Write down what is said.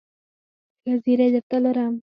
ښه زېری درته لرم ..